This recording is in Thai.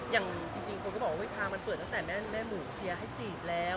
อย่างจริงคนก็บอกว่าทางมันเปิดตั้งแต่แม่หมูเชียร์ให้จีบแล้ว